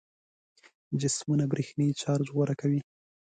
جسمونه برېښنايي چارج غوره کوي.